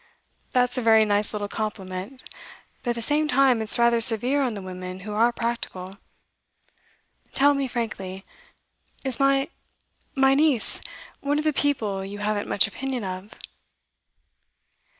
'That's a very nice little compliment; but at the same time, it's rather severe on the women who are practical. Tell me frankly: Is my my niece one of the people you haven't much opinion of?